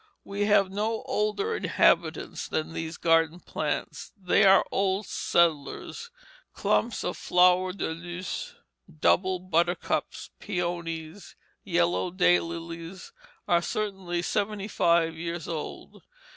We have no older inhabitants than these garden plants; they are old settlers. Clumps of flower de luce, double buttercups, peonies, yellow day lilies, are certainly seventy five years old.